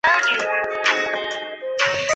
中国国民党指责这是一种去蒋化及去中国化。